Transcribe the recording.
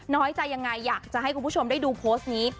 น้อยใจยังไงอยากจะให้คุณผู้ชมได้ดูโพสต์นี้